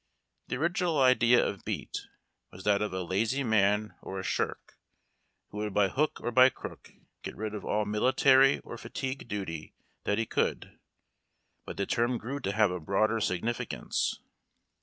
The original idea of beat was that of a lazy man or a shirk, who would b}^ hook or by crook get rid of all military or fatigue duty that he could ; but the term grew to have a broader significance.